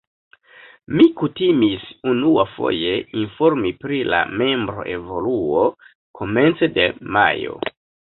Mi kutimis unuafoje informi pri la membroevoluo komence de majo.